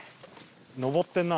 上ってるな。